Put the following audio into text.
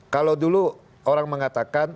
kalau dulu orang mengatakan